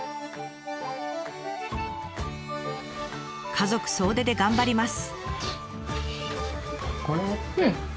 家族総出で頑張ります。